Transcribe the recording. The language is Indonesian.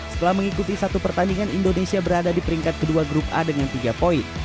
setelah mengikuti satu pertandingan indonesia berada di peringkat kedua grup a dengan tiga poin